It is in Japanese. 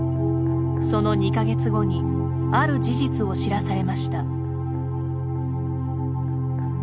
その２か月後にある事実を知らされました。